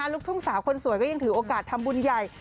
ลูกทุ่งสาวคนสวยก็ยังถือโอกาสทำบุญใหญ่